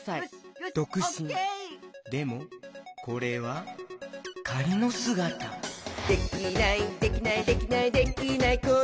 でもこれはかりのすがた「できないできないできないできない子いないか」